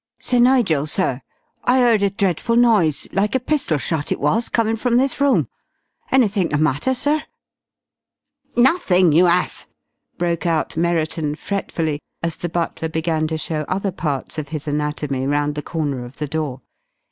"Sir Nigel, sir. I 'eard a dreadful noise like a pistol shot it was, comin' from this room! Anythink the matter, sir?" "Nothing, you ass!" broke out Merriton, fretfully, as the butler began to show other parts of his anatomy round the corner of the door.